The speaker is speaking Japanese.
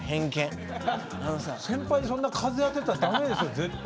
先輩にそんな風当てたらダメですよ絶対。